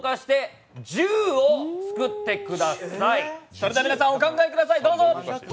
それでは皆さんお考えください、どうぞ。